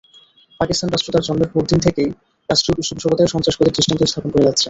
পাকিস্তান রাষ্ট্র তার জন্মের পরদিন থেকেই রাষ্ট্রীয় পৃষ্ঠপোষকতায় সন্ত্রাসবাদের দৃষ্টান্ত স্থাপন করে যাচ্ছে।